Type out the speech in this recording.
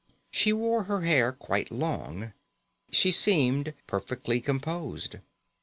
She wore her hair quite long. She seemed perfectly composed.